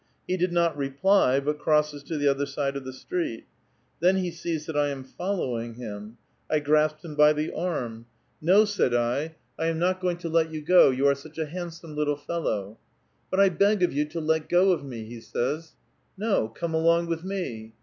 He did not reply, but crosses to the other side of the street. Then he sees that I am follow ing him ; I grasped him by the arm. ' No,' said I, * I am 212 A VITAL QUESTION. not going to let yon go, yon are such a ba, ndsome little fel low.' ' But I beg of you to let go of me,' he says. ' No, come aloDg with me.'